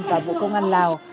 và bộ công an lào